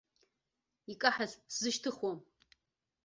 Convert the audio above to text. Икаҳаз сзышьҭыхуам.